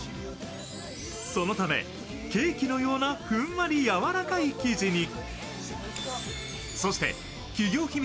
そのためケーキのようなふんわりやわらかい生地に。